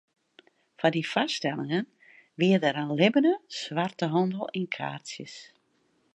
Foar dy foarstellingen wie der in libbene swarte handel yn kaartsjes.